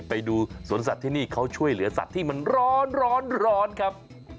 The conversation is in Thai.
ไปดูสวนสัตว์ที่นี่เขาช่วยเหลือสัตว์ที่มันร้อนครับ